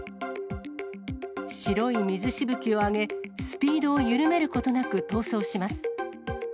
白い水しぶきを上げ、スピードを緩めることなく逃走します。